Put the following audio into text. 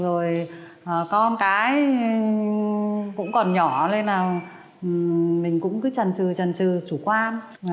vì công việc con cái cũng còn nhỏ nên mình cũng cứ trần trừ trần trừ chủ quan